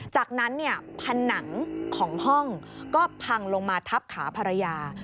จากนั้นเนี่ยผนังของห้องก็พังลงมาทับขาภรรยา